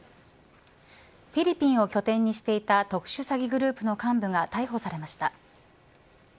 フィリピンを拠点にしていた特殊詐欺グループの幹部が逮捕されました。